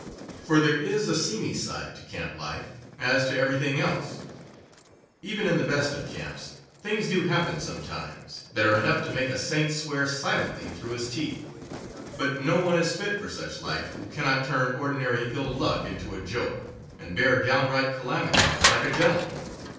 For there is a seamy side to camp life, as to every OUTFITTING 9 thing else. Even in the best of camps things do hap pen sometimes that are enough to make a saint swear silently through his teeth. But no one is fit for such life who cannot turn ordinary ill luck into a joke, and bear downright calamity like a gentleman.